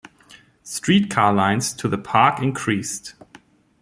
Street car lines to the park increased.